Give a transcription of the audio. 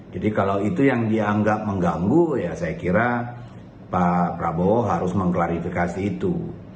jadi kalau itu yang dianggap mengganggu ya saya kira pak prabowo harus mengklarifikasi itu